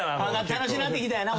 楽しなってきたんやな。